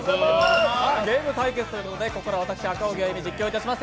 ゲーム対決ということでここからは私、赤荻歩、実況いたします！